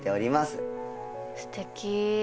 すてき。